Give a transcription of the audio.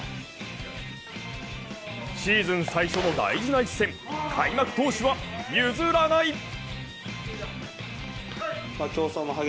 シーズン最初の大事な一戦、開幕投手は譲らない！